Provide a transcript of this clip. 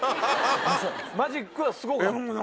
マジックはすごかった。